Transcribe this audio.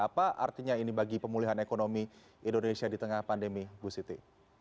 apa artinya ini bagi pemulihan ekonomi indonesia di tengah pandemi ibu siti